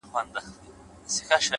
خوب كي گلونو ســـره شپـــــې تېــروم!!